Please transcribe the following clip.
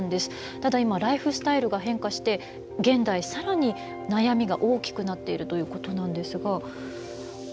ただ今ライフスタイルが変化して現代更に悩みが大きくなっているということなんですがこちらですね。